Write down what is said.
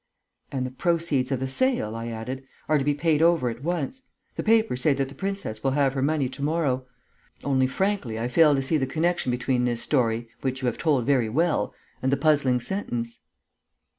"And the proceeds of the sale," I added, "are to be paid over at once. The papers say that the princess will have her money to morrow. Only, frankly, I fail to see the connection between this story, which you have told very well, and the puzzling sentence...."